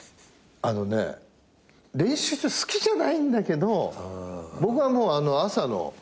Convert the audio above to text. あのね練習場好きじゃないんだけど僕はもう朝の夏場は５時前。